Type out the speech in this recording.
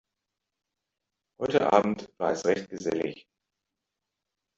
Heute Abend war es recht gesellig.